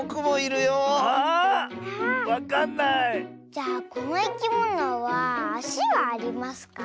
じゃあこのいきものはあしはありますか？